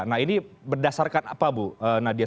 nah ini berdasarkan apa bu nadia